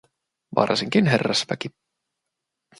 Varsinkin herrasväki.